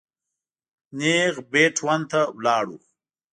نېغ بېټ ون ته ولاړو.